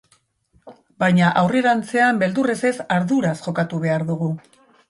Baina aurrerantzean beldurrez ez, arduraz jokatu behar dugu.